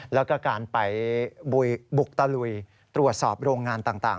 แล้วก็การไปบุกตะลุยตรวจสอบโรงงานต่าง